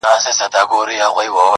تر ننګرهار، تر کندهار ښکلی دی،